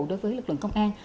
đối với lực lượng công an